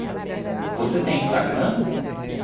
Você tem Instagram?